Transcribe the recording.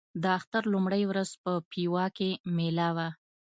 د اختر لومړۍ ورځ په پېوه کې مېله وه.